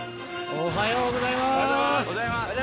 おはようございます。